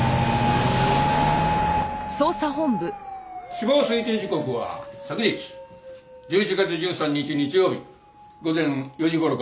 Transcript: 死亡推定時刻は昨日１１月１３日日曜日午前４時頃から６時頃の間。